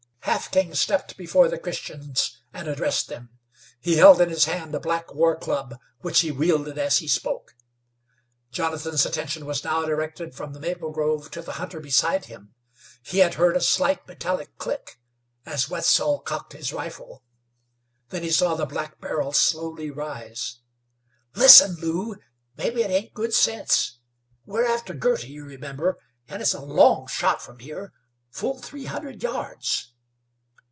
Half King stepped before the Christians and addressed them. He held in his hand a black war club, which he wielded as he spoke. Jonathan's attention was now directed from the maple grove to the hunter beside him. He had heard a slight metallic click, as Wetzel cocked his rifle. Then he saw the black barrel slowly rise. "Listen, Lew. Mebbe it ain't good sense. We're after Girty, you remember; and it's a long shot from here full three hundred yards."